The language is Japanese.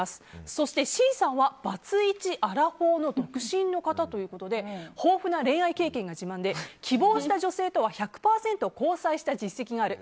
そして、Ｃさんはバツイチアラフォーの独身の方ということで豊富な恋愛経験が自慢で希望した女性とは１００％交際した実績がある。